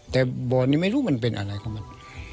แต่บ่อนนี้ไม่รู้มันเป็นอะไรของมัน